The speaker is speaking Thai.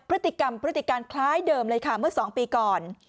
พฤติกรรมพฤติการคล้ายเดิมเลยค่ะเมื่อ๒ปีก่อน